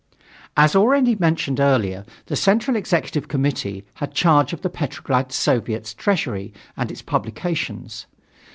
As already mentioned earlier, the Central Executive Committee had charge of the Petrograd Soviet's treasury and its publications.